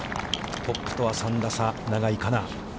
トップとは３打差、永井花奈。